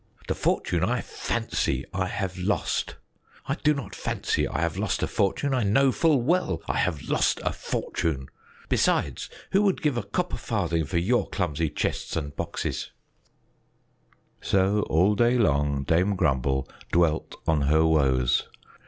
"The fortune I fancy I have lost! I do not fancy I have lost a fortune; I know full well I have lost a fortune. Besides, who would give a copper farthing for your clumsy chests and boxes!" So all day long Dame Grumble dwelt on her woes.